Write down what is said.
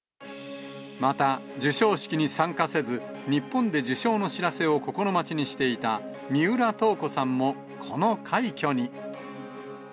また授賞式に参加せず、日本で受賞の知らせを心待ちにしていた三浦透子さんも、この快挙に。